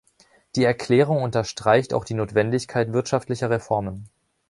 Die Erklärung unterstreicht auch die Notwendigkeit wirtschaftlicher Reformen.